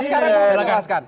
silahkan nilai tukar